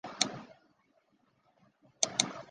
唐中宗景龙四年明州改属播州都督府。